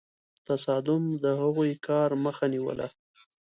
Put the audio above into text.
تصادم د هغوی کار مخه نیوله.